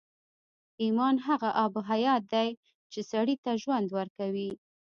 ايمان هغه آب حيات دی چې سړي ته ژوند ورکوي.